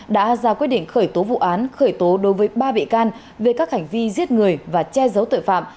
đã ra quyết định khởi tố vụ án khởi tố đối với ba bị can về các hành vi giết người và che giấu tội phạm